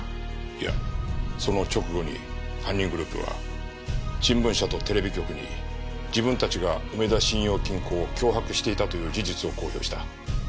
いやその直後に犯人グループは新聞社とテレビ局に自分たちが梅田信用金庫を脅迫していたという事実を公表した。